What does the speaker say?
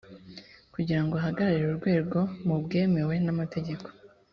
kugira ngo ahagararire urwego mu bwemewe n’amategeko